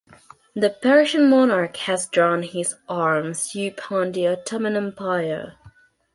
The Persian monarch has drawn his arms upon the Ottoman Empire.